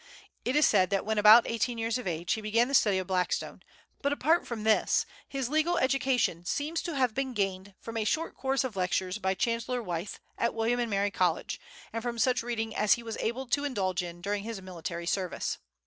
It is said that when about eighteen years of age he began the study of Blackstone; but apart from this his legal education seems to have been gained from a short course of lectures by Chancellor Wythe, at William and Mary College, and from such reading as he was able to indulge in during his military service.